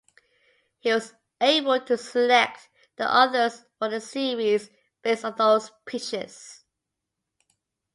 He was able to select the authors for the series based on those pitches.